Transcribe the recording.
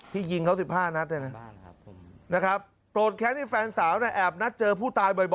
ยิงเขา๑๕นัดเนี่ยนะนะครับโกรธแค้นที่แฟนสาวเนี่ยแอบนัดเจอผู้ตายบ่อย